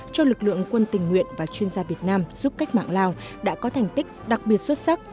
cho lực lượng quân tình nguyện và chuyên gia việt nam giúp cách mạng lào đã có thành tích đặc biệt xuất sắc